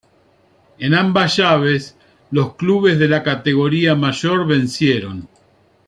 En ambas llaves, los clubes de la categoría mayor vencieron.